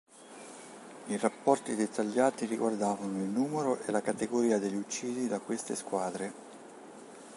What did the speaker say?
I rapporti dettagliati riguardavano il numero e la categoria degli uccisi da queste squadre.